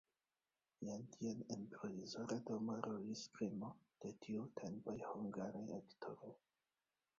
Jam tiam en provizora domo rolis kremo de tiutempaj hungaraj aktoroj.